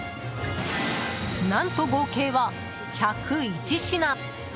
何と、合計は１０１品！